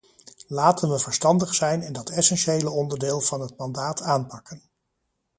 Laten we verstandig zijn en dat essentiële onderdeel van het mandaat aanpakken.